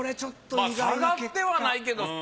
まぁ下がってはないけど。